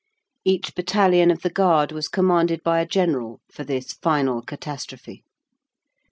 Each battalion of the Guard was commanded by a general for this final catastrophe.